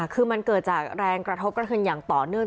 คือมันเกิดจากแรงกระทบกระเทือนอย่างต่อเนื่อง